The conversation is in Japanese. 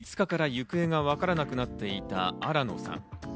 今月５日から行方がわからなくなっていた、新野さん。